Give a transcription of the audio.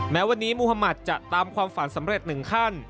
แม้วันนี้มุธมัติจะตามความฝันสำเร็จหนึ่งขั้น